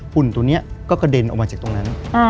หุ่นตัวนี้ก็กระเด็นออกมาจากตรงนั้น